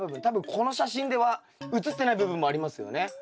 多分この写真では写ってない部分もありますよね？